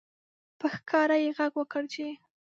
په ښکاره یې غږ وکړ چې